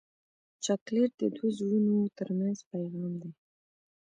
چاکلېټ د دوو زړونو ترمنځ پیغام دی.